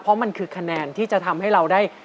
เพราะมันคือคะแนนที่จะทำให้เราได้